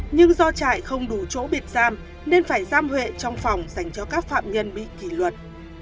nhưng do trại không đủ chỗ bịt giam nên phải giam huệ trong phòng dành cho các phạm nhân bị kỷ luật